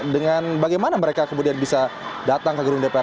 dengan bagaimana mereka kemudian bisa datang ke gedung dpr